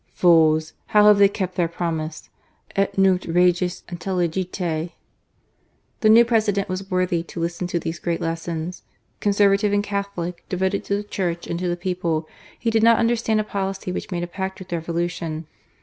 Fools ! how have they kept their promises ?,,. Et nunc, reges, intclligite !" The new President was worthy to listen to these great lessons : Conservative and Catholic, devoted to the Church and to the people, he did not understand a policy which made a pact with Revolution.